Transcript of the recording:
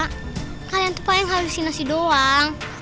kalian tuh paling halusinasi doang